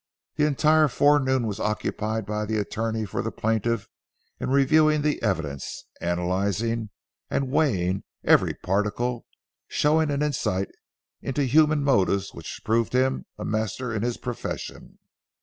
The entire forenoon was occupied by the attorney for the plaintiff in reviewing the evidence, analyzing and weighing every particle, showing an insight into human motives which proved him a master in his profession.